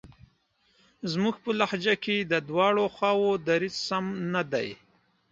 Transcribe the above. زموږ په لهجه کې د دواړو خواوو دریځ سم نه دی.